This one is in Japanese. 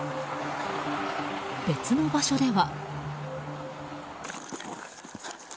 別の場所では。